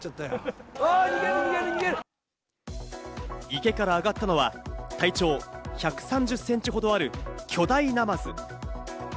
池からあがったのは体長１３０センチほどある巨大ナマズ。